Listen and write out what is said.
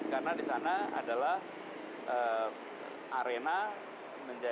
karena di sana adalah arena